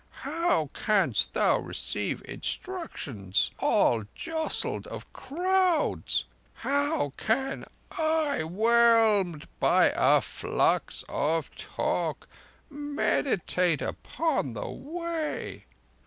How canst thou receive instruction all jostled of crowds? How can I, whelmed by a flux of talk, meditate upon the Way?"